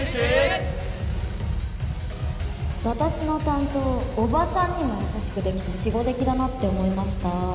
私の担当おばさんにも優しくできてしごできだなって思いました。